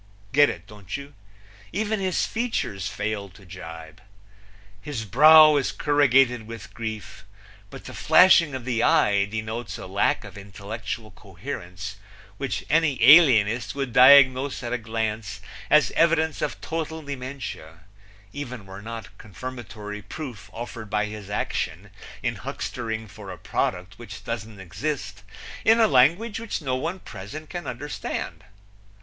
Get it, don't you? Even his features fail to jibe. His brow is corrugated with grief, but the flashing of the eye denotes a lack of intellectual coherence which any alienist would diagnose at a glance as evidence of total dementia, even were not confirmatory proof offered by his action in huckstering for a product which doesn't exist, in a language which no one present can understand.